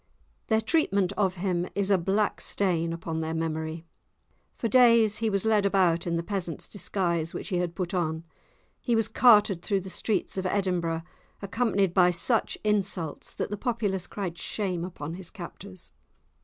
Their treatment of him is a black stain upon their memory. For days he was led about in the peasant's disguise, which he had put on; he was carted through the streets of Edinburgh, accompanied by such insults that the populace cried shame upon his captors.